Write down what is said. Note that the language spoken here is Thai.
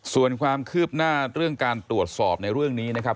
ส่วนความคืบหน้าเรื่องการตรวจสอบในเรื่องนี้นะครับ